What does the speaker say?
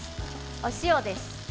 お塩です。